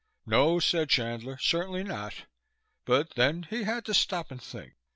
No, said Chandler, certainly not! But then he had to stop and think.